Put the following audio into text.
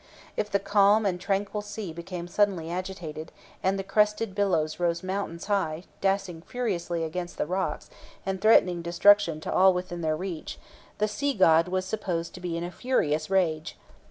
If the calm and tranquil sea became suddenly agitated, and the crested billows rose mountains high, dashing furiously against the rocks, and threatening destruction to all within their reach, the sea god was supposed to be in a furious rage.